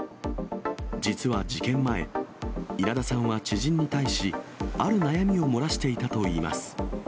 実は事件前、稲田さんは知人に対し、ある悩みを漏らしていたといいます。